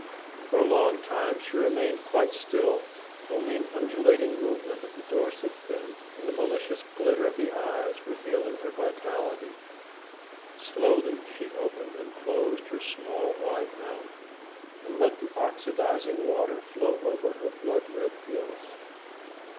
For a long time she remained quite still, only an undulating movement of the dorsal fin and the malicious glitter of the eyes revealing her vitality. Slowly she opened and closed her small, wide mouth, and let the oxidizing water flow over her blood red gills.